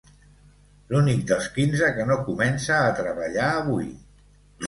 L'únic dels quinze que no comença a treballar avui.